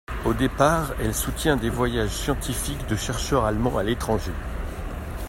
Au départ, elle soutient des voyages scientifiques de chercheurs allemands à l'étranger.